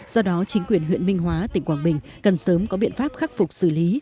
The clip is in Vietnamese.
do đó chính quyền huyện minh hóa tỉnh quảng bình cần sớm có biện pháp khắc phục xử lý